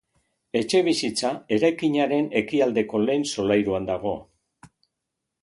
Etxebizitza, eraikinaren Ekialdeko lehen solairuan dago.